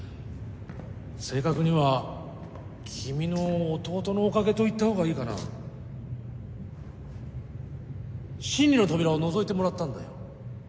正確には君の弟のおかげと言った方がいいかな真理の扉をのぞいてもらったんだよ